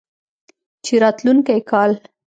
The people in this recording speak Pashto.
چې راتلونکی کال